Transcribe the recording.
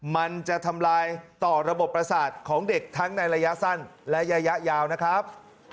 มันจะทำลายต่อระบบประสาทของเด็กทั้งในระยะสั้นและระยะยาวนะครับ